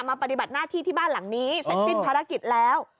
ปฏิบัติหน้าที่ที่บ้านหลังนี้เสร็จสิ้นภารกิจแล้ว